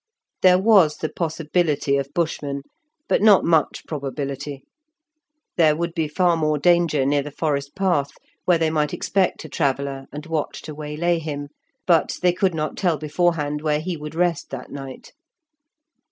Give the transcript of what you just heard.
There was the possibility of Bushmen, but not much probability. There would be far more danger near the forest path, where they might expect a traveller and watch to waylay him, but they could not tell beforehand where he would rest that night.